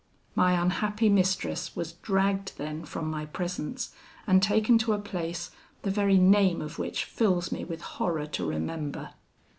"My unhappy mistress was dragged then from my presence, and taken to a place the very name of which fills me with horror to remember.